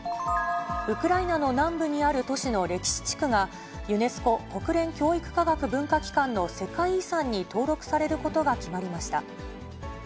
ウクライナの南部にある都市の歴史地区が、ユネスコ・国連教育科学文化機関の世界遺産に登録されることが決まりました。